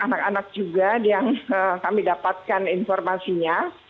anak anak juga yang kami dapatkan informasinya